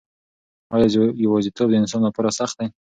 آیا یوازیتوب د انسان لپاره سخت دی؟